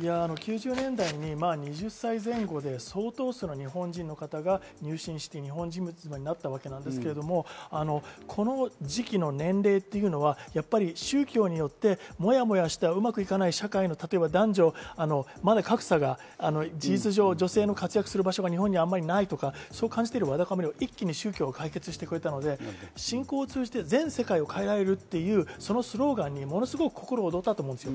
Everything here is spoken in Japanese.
９０年代に２０歳前後で相当数な日本人の方が入信して日本人妻になったわけなんですけれどもこの時期の年齢っていうのはやっぱり宗教によってモヤモヤしたうまくいかない社会の例えば男女まだ格差が事実上女性の活躍する場所が日本にあんまりないとかそう感じてるわだかまりを一気に宗教が解決してくれたので信仰を通じて全世界を変えられるっていうそのスローガンにものすごく心躍ったと思うんですよ。